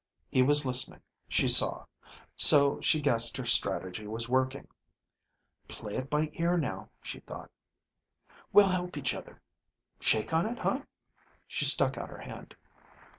He was listening, she saw, so she guessed her strategy was working. Play it by ear now, she thought. "We'll help each other. Shake on it, huh?" She stuck out her hand.